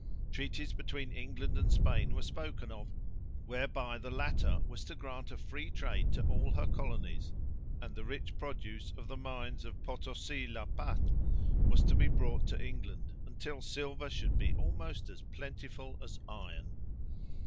Treaties between England and Spain were spoken of, whereby the latter was to grant a free trade to all her colonies; and the rich produce of the mines of Potosi la Paz was to be brought to England until silver should become almost as plentiful as iron.